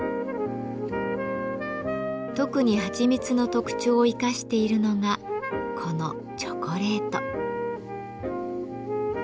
特にはちみつの特徴を生かしているのがこのチョコレート。